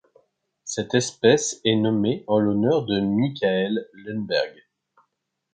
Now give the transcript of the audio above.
Cette espèce est nommée en l'honneur de Mikael Lundberg.